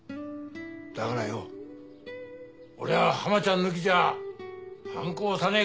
だからよ俺はハマちゃん抜きじゃハンコを押さねえ！